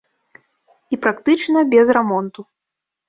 І практычна без рамонту.